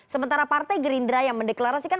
sementara partai gerindra yang mendeklarasikan